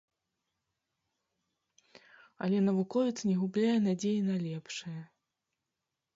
Але навуковец не губляе надзеі на лепшае.